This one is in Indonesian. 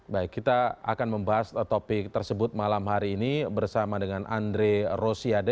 baik kita akan membahas topik tersebut malam hari ini bersama dengan andre rosiade